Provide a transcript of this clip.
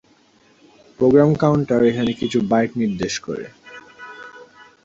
Programme counter এখানে কিছু byte নির্দেশ করে।